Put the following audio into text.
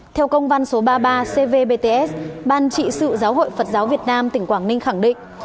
theo công văn số ba mươi ba cvbts ban trị sự giáo hội phật giáo việt nam tỉnh quảng ninh khẳng định